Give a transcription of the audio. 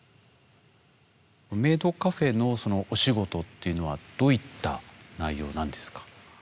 メイドカフェのお仕事っていうのはどういった内容なんですか？